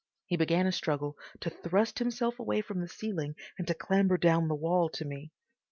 He began a struggle to thrust himself away from the ceiling and to clamber down the wall to me.